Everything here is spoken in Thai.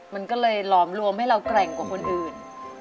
มันก็เลยหลอมรวมให้เราแกร่งกว่าคนอื่น